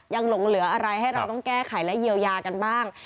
หลงเหลืออะไรให้เราต้องแก้ไขและเยียวยากันบ้าง